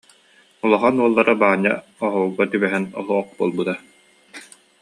Улахан уоллара Баанньа оһолго түбэһэн суох буолбута